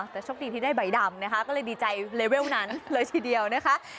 แต่โชคดีที่ได้ใบดำนะคะก็เลยดีใจเลเวลนั้นเลยทีเดียวนะคะ